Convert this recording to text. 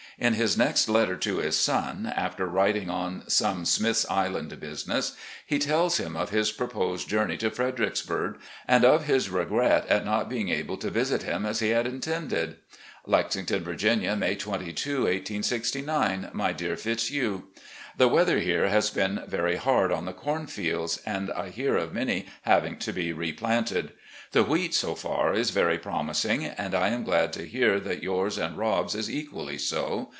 In his next letter to his son, after writing on some Smith's Island business, he tells him of his proposed journey to Fredericksburg and of his regret at not being able to visit him as he had intended : "Lexington, Virginia, May 22, 1869. " My Dear Fitzhugh: The weather here has been very hard on the corn fields, and I hear of many having to be replanted. The wheat, so far, is very promising, and I am glad to hear that yours and Rob's is equally so.